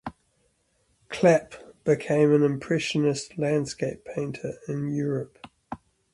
Clapp became an Impressionist landscape painter in Europe.